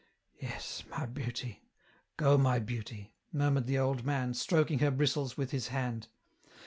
" Yes, my beauty ; go, my beauty," murmured the old man, stroking her bristles with his hand.